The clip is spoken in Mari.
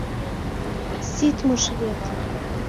Ситмыж вет.